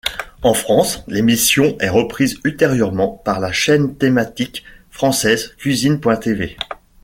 En France, l'émission est reprise ultérieurement par la chaîne thématique française Cuisine.tv.